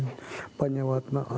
semoga allah memberi kemampuan